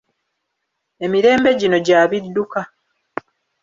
Emirembe gino gya bidduka.